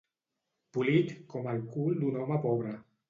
Polit com el cul d'un home pobre.